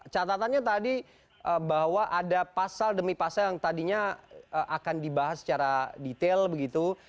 catatannya tadi bahwa ada pasal demi pasal yang tadinya akan dibahas secara detail begitu